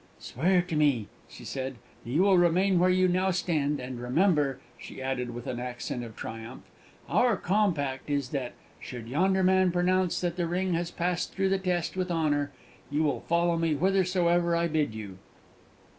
"Swear to me," she said, "that you will remain where you now stand; and remember," she added, with an accent of triumph, "our compact is that, should yonder man pronounce that the ring has passed through the test with honour, you will follow me whithersoever I bid you!"